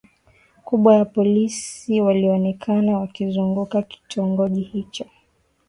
kubwa ya polisi walionekana wakizunguka kitongoji hicho